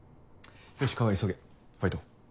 よし川合急げファイト。